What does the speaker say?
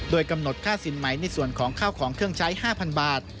โดยกำหนดค่าสินใหม่ในส่วนของข้าวของเครื่องใช้๕๐๐บาท